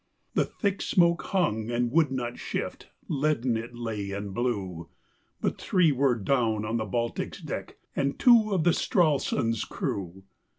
The thick smoke hung and would not shift, leaden it lay and blue, But three were down on the Baltic's deck and two of the Stralsund's crew.